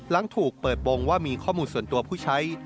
หลังถูกเปิดโปรงว่ามีข้อมูลส่วนตัวผู้ใช้